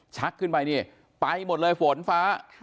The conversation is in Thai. ขึ้นไปนี่ไปหมดเลยฝนฟ้า